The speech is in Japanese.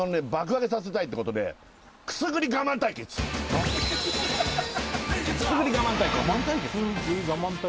上げさせたいってことでくすぐり我慢対決くすぐり